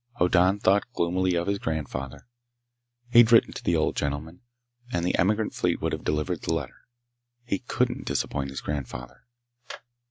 Hoddan thought gloomily of his grandfather. He'd written to the old gentleman and the emigrant fleet would have delivered the letter. He couldn't disappoint his grandfather!